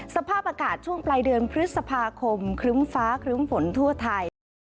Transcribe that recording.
สภาพอากาศช่วงปลายเดือนพฤษภาคมครึ้มฟ้าครึ้มฝนทั่วไทย